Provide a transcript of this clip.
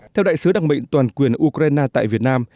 theo đại sứ đặc mệnh toàn quyền ukraine tại việt nam